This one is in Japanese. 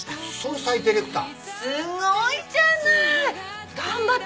すごいじゃない。頑張って。